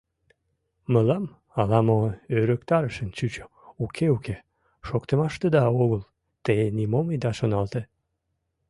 — Мылам ала-мо ӧрыктарышын чучо, уке-уке, шоктымаштыда огыл, те нимом ида шоналте!